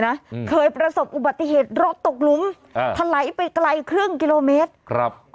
ฮ่าฮ่าฮ่าฮ่าฮ่า